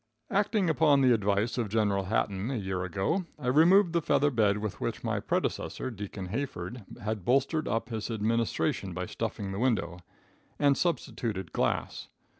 Acting under the advice of Gen. Hatton, a year ago, I removed the feather bed with which my predecessor, Deacon Hayford, had bolstered up his administration by stuffing the window, and substituted glass.